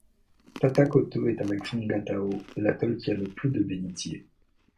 Tatakoto est avec Fangatau, l'atoll qui a le plus de bénitiers.